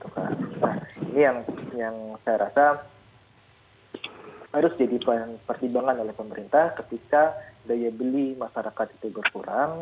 nah ini yang saya rasa harus jadi pertimbangan oleh pemerintah ketika daya beli masyarakat itu berkurang